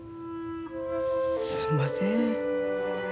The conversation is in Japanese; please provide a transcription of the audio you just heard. すんません。